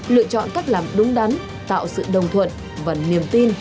lựa chọn cách làm đúng đắn tạo sự đồng thuận và niềm tin